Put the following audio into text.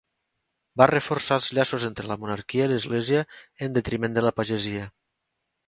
Va reforçar els llaços entre la monarquia i l'església, en detriment de la pagesia.